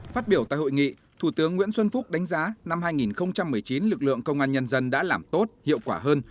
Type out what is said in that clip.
phát biểu tại hội nghị thủ tướng nguyễn xuân phúc đánh giá năm hai nghìn một mươi chín lực lượng công an nhân dân đã làm tốt hiệu quả hơn